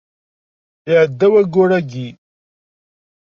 Iɛedda wayyur yagi.